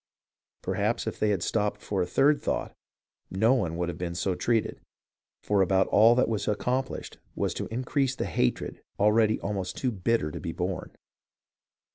Perhaps if they had stopped for a third thought, no one would have been so treated, for about all that was accomplished was to increase the hatred already almost too bitter to be borne.